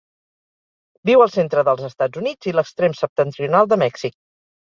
Viu al centre dels Estats Units i l'extrem septentrional de Mèxic.